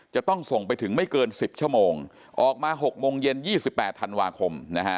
จะต้องส่งไปถึงไม่เกิน๑๐ชั่วโมงออกมา๖โมงเย็น๒๘ธันวาคมนะฮะ